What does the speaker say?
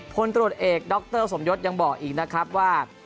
พลตรวจเอกดรสมยศยังบอกอีกนะครับว่า